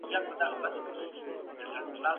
د املا د تمرین لپاره کاغذ او قلم ته اړتیا ده.